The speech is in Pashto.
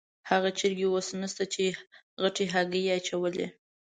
هغه چرګې اوس نشته چې غټې هګۍ یې اچولې.